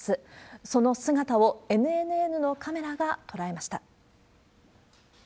その姿をＮＮＮのカメラが捉えました。